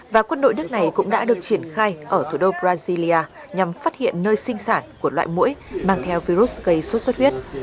và quân đội nước này cũng đã được triển khai ở thủ đô brazilya nhằm phát hiện nơi sinh sản của loại mũi mang theo virus gây sốt xuất huyết